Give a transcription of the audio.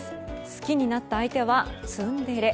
好きになった相手はツンデレ。